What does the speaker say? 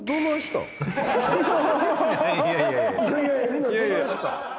みんなどないしたん？